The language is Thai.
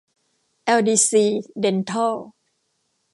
แอลดีซี เด็นทัล